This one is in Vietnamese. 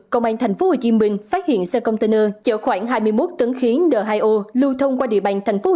công an tp hcm phát hiện xe container chở khoảng hai mươi một tấn khí n hai o lưu thông qua địa bàn tp hcm